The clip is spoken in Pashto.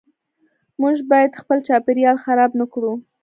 موږ باید خپل چاپیریال خراب نکړو .